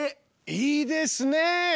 いいですね！